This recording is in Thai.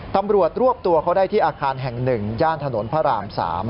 ตำรวจรวบตัวเขาได้ที่อาคารแห่ง๑ย่านถนนพระราม๓